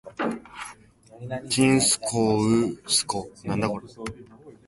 ちんすこうすこ